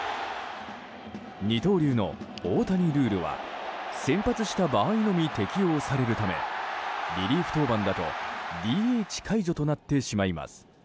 二刀流の大谷ルールは先発した場合のみ適用されるためリリーフ登板だとＤＨ解除となってしまいます。